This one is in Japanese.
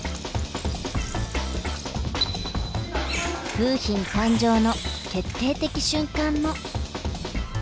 楓浜誕生の決定的瞬間も。